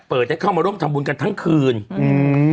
ให้เข้ามาร่วมทำบุญกันทั้งคืนอืม